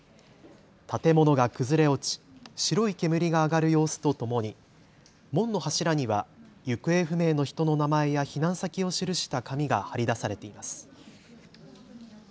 建物が崩れ落ち白い煙が上がる様子とともに門の柱には行方不明の人の名前や避難先を記した紙が貼り出されています。